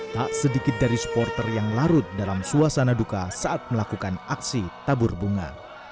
tak sedikit dari supporter yang larut dalam suasana duka saat melakukan aksi tabur bunga